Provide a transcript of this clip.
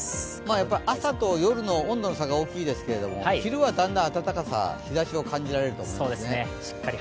やっぱり朝と夜の温度の差が大きいですけれども昼はだんだん暖かさ、日ざしを感じられると思います。